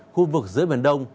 khu vực giữa biển đông